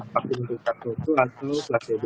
vaksin untuk sars cov dua atau placebo